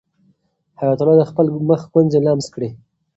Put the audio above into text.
حیات الله د خپل مخ ګونځې لمس کړې.